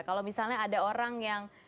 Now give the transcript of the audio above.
kalau misalnya ada orang yang